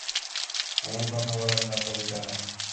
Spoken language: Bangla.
এমন কথা বলেন, যা কবিতা নয়।